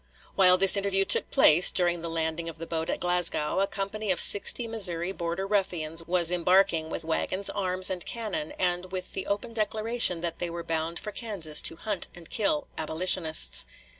While this interview took place, during the landing of the boat at Glasgow, a company of sixty Missouri Border Ruffians was embarking, with wagons, arms, and cannon, and with the open declaration that they were bound for Kansas to hunt and kill "abolitionists."